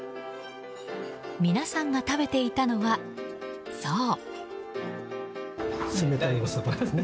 皆さんが食べていたのは、そう。